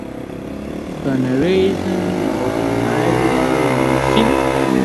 Corke on an identical machine.